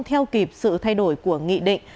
theo kịp sự thay đổi của nghị định